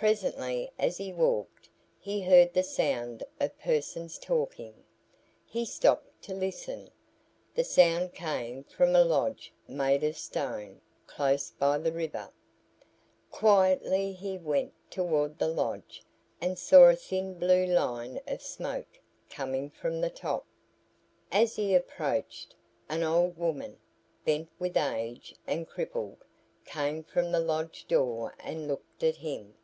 Presently as he walked, he heard the sound of persons talking. He stopped to listen. The sound came from a lodge made of stone, close by the river. Quietly he went toward the lodge and saw a thin blue line of smoke coming from the top. As he approached, an old woman, bent with age and crippled, came from the lodge door and looked at him.